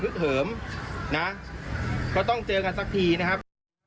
เหิมนะก็ต้องเจอกันสักทีนะครับ